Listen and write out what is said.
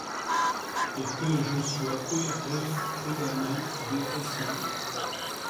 Et que je sois heureux prudemment, de façon